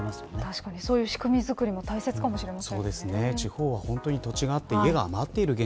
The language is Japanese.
確かにそういう仕組み作りも大切かもしれません。